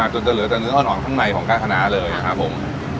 จนจะเหลือแต่เนื้ออ่อนข้างในของกาธนาเลยครับผม